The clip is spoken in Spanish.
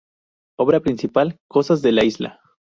Obra principal: "Cosas de la Isla".